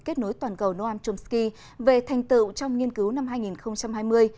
kết nối toàn cầu noam chomsky về thành tựu trong nghiên cứu năm hai nghìn hai mươi